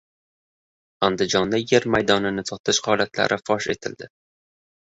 Andijonda yer maydonini sotish holatlari fosh etildi